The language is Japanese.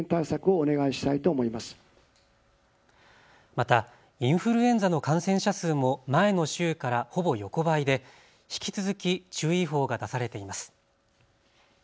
またインフルエンザの感染者数も前の週からほぼ横ばいで引き続き注意報が出されています。